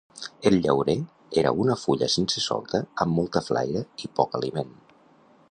El llaurer, era una fulla sense solta amb molta flaira i poc aliment.